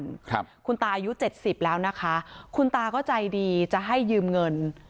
ครับคุณตาอายุเจ็ดสิบแล้วนะคะคุณตาก็ใจดีจะให้ยืมเงิน